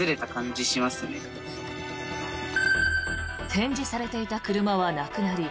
展示されていた車はなくなり